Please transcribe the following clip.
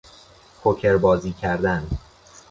پوکر بازی کردن